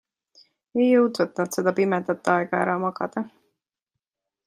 Ei jõudvat nad seda pimedat aega ära magada.